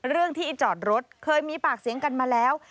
เรื่องที่จอดรถเคยมีปากเสียงกันมาแล้ว